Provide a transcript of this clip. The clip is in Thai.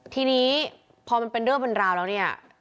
ทีนี้พอมันเป็นเรื่องเป็นราวแล้วเนี่ย